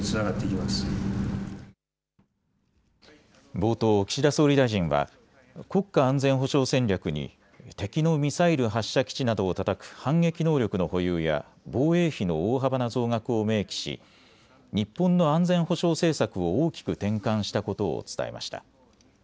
冒頭、岸田総理大臣は国家安全保障戦略に敵のミサイル発射基地などをたたく反撃能力の保有や防衛費の大幅な増額を明記し日本の安全保障政策を大きく転換したことを伝えました。